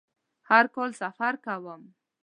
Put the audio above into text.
هر کال سفر کوم